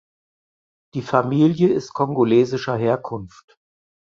Die Familie ist kongolesischer Herkunft.